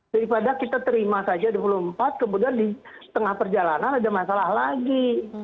daripada kita terima saja dua puluh empat kemudian di tengah perjalanan ada masalah lagi